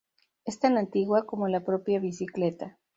Es tan antigua como la propia bicicleta.